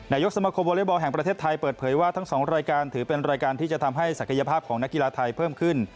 นายกสมคมวอเล็กบอลแห่งประเทศไทยเปิดเผยว่าทั้ง๒รายการถือเป็นรายการที่จะทำให้ศักยภาพของนักกีฬาไทยเพิ่มขึ้น